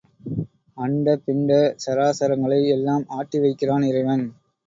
அண்ட பிண்ட சராசரங்களை எல்லாம் ஆட்டி வைக்கிறான் இறைவன்.